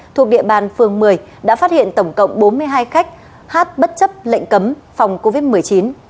thuộc địa bàn phường một mươi đã phát hiện tổng cộng bốn mươi hai khách hát bất chấp lệnh cấm phòng covid một mươi chín